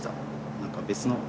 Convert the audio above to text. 何か別の。